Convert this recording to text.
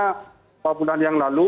beberapa bulan yang lalu